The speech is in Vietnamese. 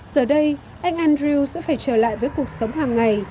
giờ đây anh andrew sẽ phải trở lại với cuộc sống hàng ngày